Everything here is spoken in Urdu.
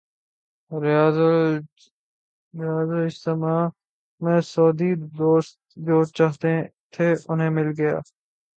ریاض اجتماع میں سعودی دوست جو چاہتے تھے، انہیں مل گیا۔